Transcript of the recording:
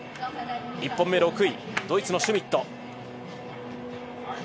１本目６位、ドイツのシュミット。